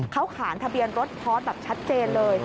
เขาขานทะเบียนรถพอร์ตแบบชัดเจนเลย